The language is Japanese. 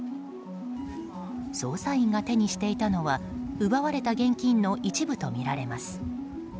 捜査員が手にしていたのは奪われた現金の一部とみられます。